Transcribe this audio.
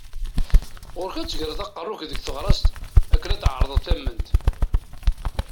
Ɣur-k ad tegreḍ aqerru-k deg teɣrast akken ad tεerḍeḍ tament.